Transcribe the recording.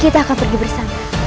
kita akan pergi bersama